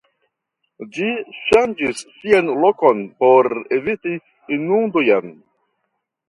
Ĝi ŝanĝis sian lokon por eviti inundojn.